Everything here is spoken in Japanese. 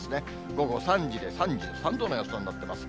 午後３時で３３度の予想になっています。